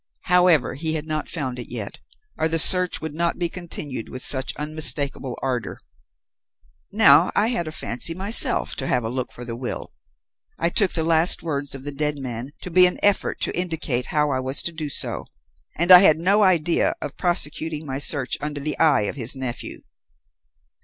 However, he hadn't found it yet, or the search would not be continued with such unmistakable ardour. "Now I had a fancy myself to have a look for the will. I took the last words of the dead man to be an effort to indicate how I was to do so, and I had no idea of prosecuting my search under the eye of his nephew.